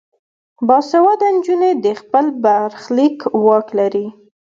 باسواده نجونې د خپل برخلیک واک لري.